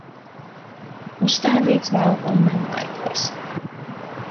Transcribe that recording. Uzstādīts vēl Ulmaņlaikos.